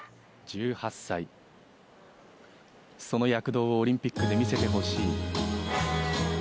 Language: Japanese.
１８歳、その躍動をオリンピックで見せてほしい。